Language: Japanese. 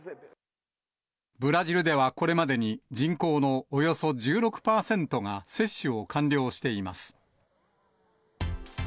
ブラジルではこれまでに人口のおよそ１６％が接種を完了しています。